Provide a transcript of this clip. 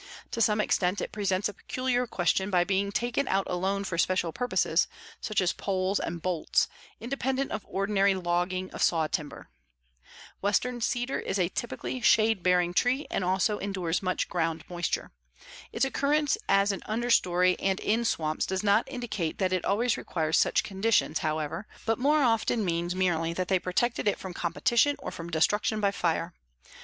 To some extent it presents a peculiar question by being taken out alone for special purposes, such as poles and bolts, independent of ordinary logging of sawtimber. Western cedar is a typically shade bearing tree and also endures much ground moisture. Its occurrence as an under story and in swamps does not indicate that it always requires such conditions, however, but more often means merely that they protected it from competition or from destruction by fire.